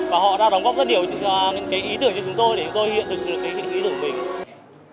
và họ đã đóng góp rất nhiều ý tưởng cho chúng tôi để chúng tôi hiện thực được ý tưởng của mình